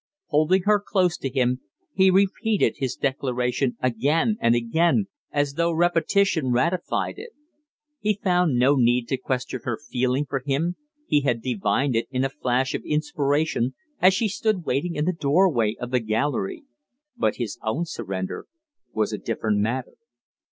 Holding her close to him, he repeated his declaration again and again, as though repetition ratified it. He found no need to question her feeling for him he had divined it in a flash of inspiration as she stood waiting in the doorway of the gallery; but his own surrender was a different matter.